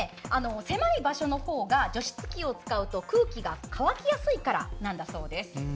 狭い場所の方が除湿機を使うと空気が乾きやすいからなんだそうです。